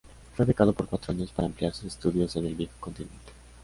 Fue becado por cuatro años para ampliar sus estudios en el viejo continente.